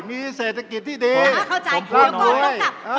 มีเศรษฐกิจดีขอบคลั้งเลย